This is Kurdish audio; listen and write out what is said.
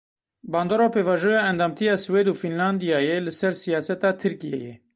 Bandora pêvajoya endamtiya Swêd û Fînlandyayê li ser siyaseta Tirkiyeyê.